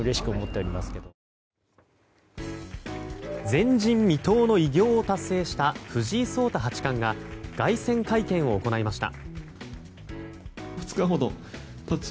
前人未到の偉業を達成した藤井聡太八冠が凱旋会見を行いました。